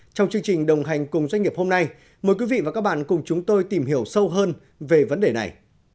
trong chương trình đồng hành cùng doanh nghiệp hôm nay mời quý vị và các bạn cùng chúng tôi tìm hiểu sâu hơn về vấn đề này